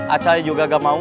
acay juga gak mau